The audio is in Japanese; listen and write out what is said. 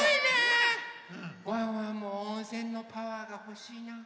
ワンワンも温泉のパワーがほしいな。